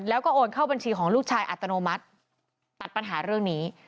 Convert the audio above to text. แล้วก็โอนเข้าบัญชีของลูกชายอัตโนมัติตัดปัญหาเรื่องนี้